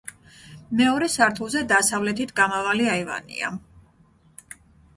მეორე სართულზე დასავლეთით გამავალი აივანია.